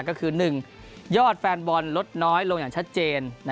ก็คือ๑ยอดแฟนบอลลดน้อยลงอย่างชัดเจน